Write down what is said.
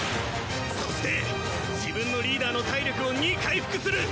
そして自分のリーダーの体力を２回復する。